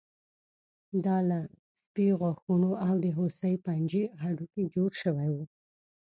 دا له سپي غاښونو او د هوسۍ پنجې هډوکي جوړ شوي وو